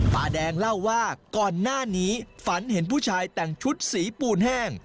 ป้าแดงเล่าว่าก่อนหน้านี้ฝันเห็นผู้ชายแต่งชุดสีปูนแห้ง